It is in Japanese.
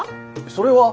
それは？